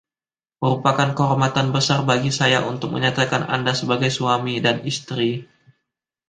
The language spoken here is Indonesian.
Merupakan kehormatan besar bagi saya untuk menyatakan anda sebagai suami dan istri.